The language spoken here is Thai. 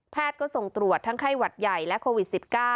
ก็ส่งตรวจทั้งไข้หวัดใหญ่และโควิด๑๙